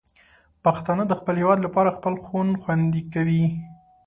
پښتانه د خپل هېواد لپاره خپل خون خوندي کوي.